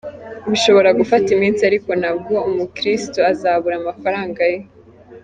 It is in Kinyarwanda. Bishobora gufata iminsi ariko ntabwo umukirisitu azabura amafaranga ye.